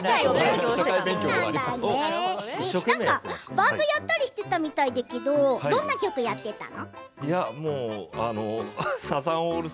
バンドもやっていたみたいだけどどんな曲をやっていたの？